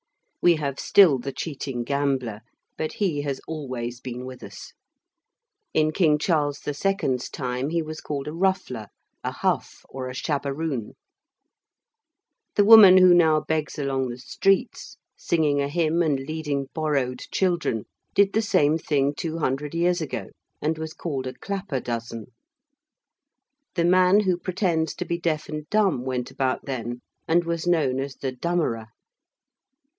We have still the cheating gambler, but he has always been with us. In King Charles the Second's time he was called a Ruffler, a Huff, or a Shabbaroon. The woman who now begs along the streets singing a hymn and leading borrowed children, did the same thing two hundred years ago and was called a clapperdozen. The man who pretends to be deaf and dumb went about then, and was known as the dummerer.